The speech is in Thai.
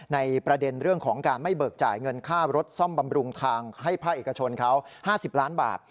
ในประเด็นเรื่องของการไม่เบิกจ่ายเงินค่ารถซ่อมบำรุงทางให้ภาคเอกชนเขา๕๐ล้านบาท